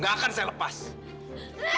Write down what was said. tante harus keluar dari sini tak